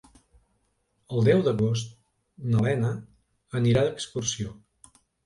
El deu d'agost na Lena anirà d'excursió.